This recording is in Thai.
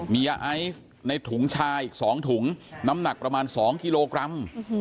มียาไอซ์ในถุงชาอีก๒ถุงน้ำหนักประมาณ๒กิโลกรัม